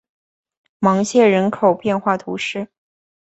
芒谢人口变化图示